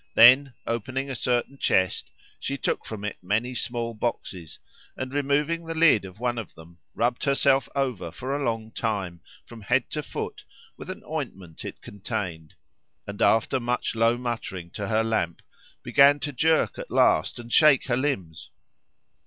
Then opening a certain chest she took from it many small boxes, and removing the lid of one of them, rubbed herself over for a long time, from head to foot, with an ointment it contained, and after much low muttering to her lamp, began to jerk at last and shake her limbs.